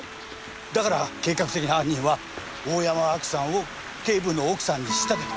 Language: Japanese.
だから計画的な犯人は大山アキさんを警部の奥さんに仕立てた。